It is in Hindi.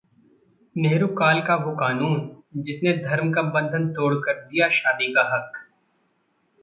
नेहरू काल का वो कानून, जिसने धर्म का बंधन तोड़कर दिया शादी का हक